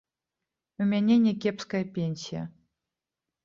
У мяне някепская пенсія.